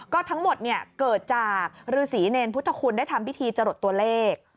ก็ทั้งหมดเกิดจากฤษีเนรพุทธคุณได้ทำพิธีจรดตัวเลข